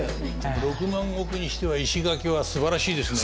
６万石にしては石垣はすばらしいですもんね。